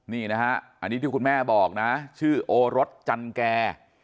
นี่นะฮะอันนี้ที่คุณแม่บอกนะชื่อโอรสจันแก่